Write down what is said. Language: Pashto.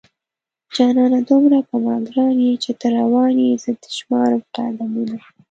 جانانه دومره په ما گران يې چې ته روان يې زه دې شمارم قدمونه